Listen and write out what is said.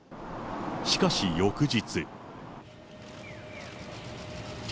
しかし、翌日。